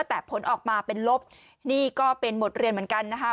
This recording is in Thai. แต่ผลออกมาเป็นลบนี่ก็เป็นบทเรียนเหมือนกันนะคะ